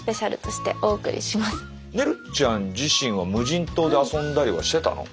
ねるちゃん自身は無人島で遊んだりはしてたの？